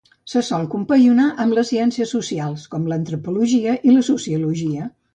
Se sol compaginar amb les ciències socials, com l'antropologia i la sociologia.